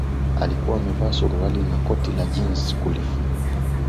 Alikua amevaa suruali na koti la jeans kulimfanya aonekane nadhifu na kijana wa kisasa